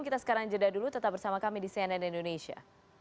kita sekarang jeda dulu tetap bersama kami di cnn indonesia